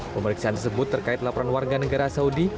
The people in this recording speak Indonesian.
pemeriksaan tersebut terkait laporan warga negara saudi